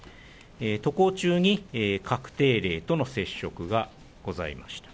渡航中に確定例との接触がございました。